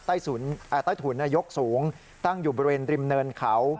ใต้ถุนยกสูงตั้งอยู่บริเวณริมเนินเขา